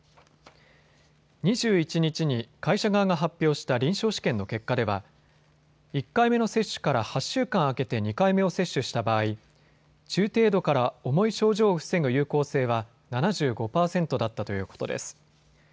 ２１日に会社側が発表した臨床試験の結果では１回目の接種から８週間空けて２回目を接種した場合、中程度から重い症状を防ぐ有効性は７５％だったということです。